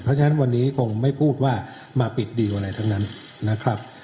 เพราะฉะนั้นวันนี้คงไม่พูดว่ามาปิดดีลอะไรทั้งนั้นนะครับ